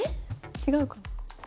違うかな。